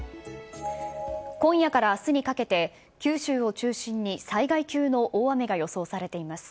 今夜からあすにかけて、九州を中心に、災害級の大雨が予想されています。